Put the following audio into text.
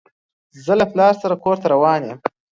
زه له پلار سره کور ته روان يم.